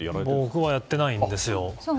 僕はやってないんです。